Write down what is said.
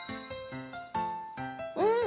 うん！